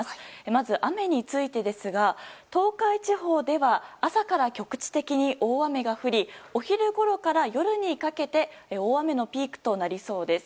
まず雨についてですが東海地方では朝から局地的に大雨が降りお昼ごろから夜にかけて大雨のピークとなりそうです。